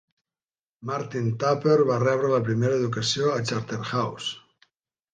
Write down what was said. Martin Tupper va rebre la primera educació a Charterhouse.